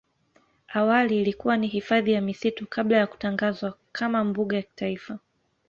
Awali ilikuwa ni hifadhi ya misitu kabla ya kutangazwa kama mbuga ya kitaifa.